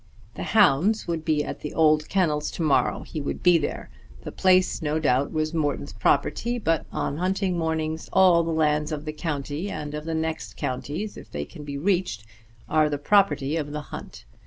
The hounds would be at the old kennels to morrow. He would be there. The place no doubt was Morton's property, but on hunting mornings all the lands of the county, and of the next counties if they can be reached, are the property of the hunt.